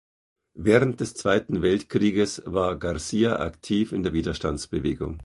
Während des Zweiten Weltkrieges war Garcia aktiv in der Widerstandsbewegung.